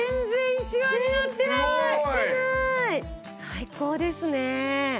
最高ですね。